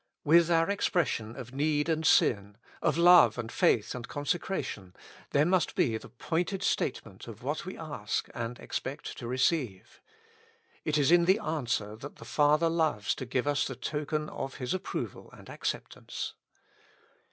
With our expression of need and s' ^. of love and faith and consecration, there must le pointed statement of what we ask and expect to receive; it is in the answer that the Father loves to give us the token of His approval and acceptance.